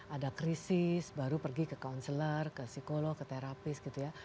ada krisis baru pergi ke counselor ke psikolog ke terapis